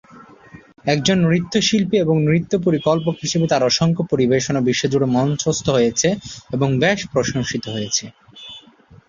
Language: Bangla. একজন নৃত্যশিল্পী এবং নৃত্য পরিকল্পক হিসাবে তাঁর অসংখ্য পরিবেশনা বিশ্বজুড়ে মঞ্চস্থ হয়েছে এবং বেশ প্রশংসিত হয়েছে।